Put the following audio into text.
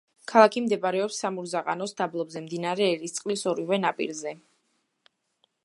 ქალაქი მდებარეობს სამურზაყანოს დაბლობზე, მდინარე ერისწყლის ორივე ნაპირზე.